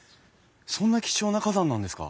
そんな貴重な花壇なんですか？